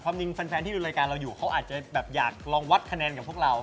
จริงแฟนที่ดูรายการเราอยู่เขาอาจจะแบบอยากลองวัดคะแนนกับพวกเรา